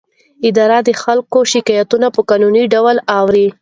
اداره د خلکو شکایتونه په قانوني ډول اوري.